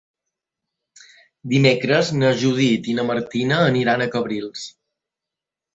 Dimecres na Judit i na Martina aniran a Cabrils.